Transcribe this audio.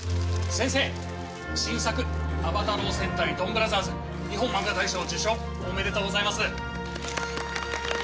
先生新作『暴太郎戦隊ドンブラザーズ』日本漫画大賞受賞おめでとうございます。